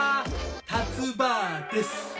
たつ婆です。